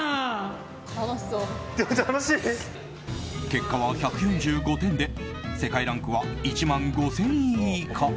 結果は１４５点で世界ランクは１万５０００位以下。